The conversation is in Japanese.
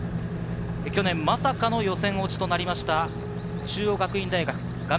去年まさかの予選落ちとなりました中央学院大学。